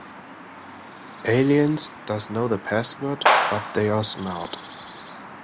Aliens does know the password but they are smart.